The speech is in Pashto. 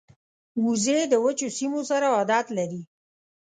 وزې د وچو سیمو سره عادت لري